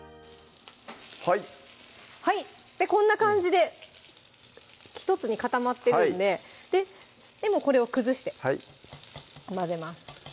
はいはいこんな感じで１つに固まってるんでこれを崩して混ぜます